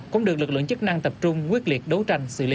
cũng được lực lượng chức năng tập trung quyết liệt đấu tranh xử lý